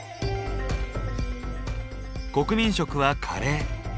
国民食はカレー。